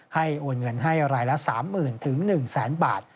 โอนเงินให้รายละ๓๐๐๐๑๐๐๐บาท